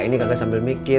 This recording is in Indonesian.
ini gak sambil mikir